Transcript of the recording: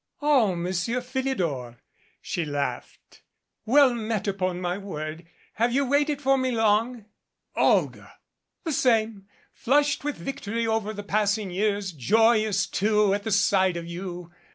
"O Monsieur Philidor!" she laughed. "Well met, upon my word! Have you waited for me long?" "Olga!" "The same flushed with victory over the passing years, joyous, too, at the sight of you.